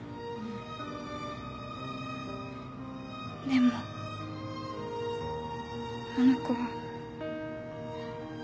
でもあの子は